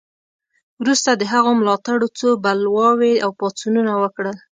وروسته د هغه ملاتړو څو بلواوې او پاڅونونه وکړل.